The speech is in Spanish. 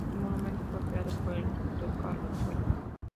El monumento fue creado por el escultor Carlos Moya.